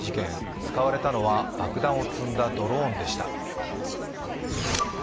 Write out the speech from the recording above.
使われたのは爆弾を積んだドローンでした。